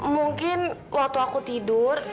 mungkin waktu aku tidur